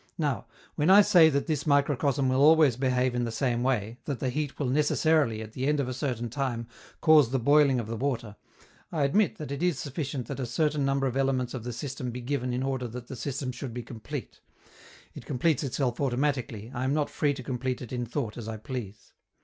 Now, when I say that this microcosm will always behave in the same way, that the heat will necessarily, at the end of a certain time, cause the boiling of the water, I admit that it is sufficient that a certain number of elements of the system be given in order that the system should be complete; it completes itself automatically, I am not free to complete it in thought as I please.